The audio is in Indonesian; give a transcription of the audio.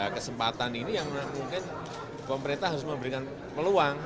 kesempatan ini yang mungkin pemerintah harus memberikan peluang